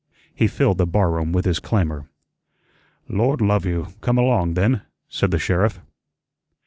He filled the barroom with his clamor. "Lord love you, come along, then," said the sheriff.